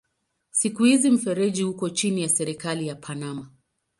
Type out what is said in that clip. Siku hizi mfereji uko chini ya serikali ya Panama.